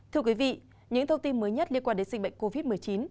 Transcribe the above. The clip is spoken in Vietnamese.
thưa quý vị những thông tin mới nhất liên quan đến dịch bệnh covid một mươi chín